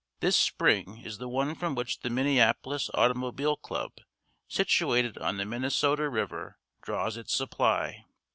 This spring is the one from which the Minneapolis Automobile club, situated on the Minnesota river draws its supply.